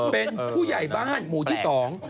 เป็นผู้ใหญ่บ้านหมู่ที่สอง